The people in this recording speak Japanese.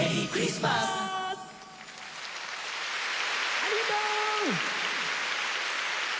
ありがとう！